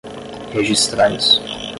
registrais